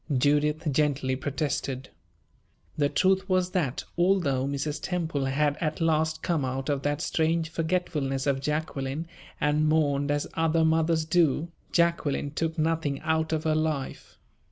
Judith gently protested. The truth was that, although Mrs. Temple had at last come out of that strange forgetfulness of Jacqueline and mourned as other mothers do, Jacqueline took nothing out of her life.